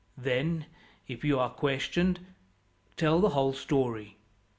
Then, if you are questioned, tell the whole story."